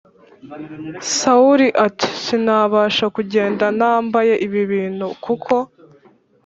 Sawuli Ati Sinabasha Kugenda Nambaye Ibi Bintu Kuko